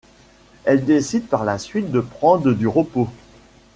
Elle décide par la suite de prendre du repos.